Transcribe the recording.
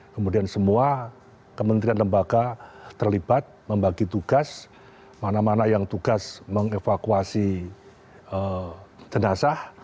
kemudian semua kementerian lembaga terlibat membagi tugas mana mana yang tugas mengevakuasi jenazah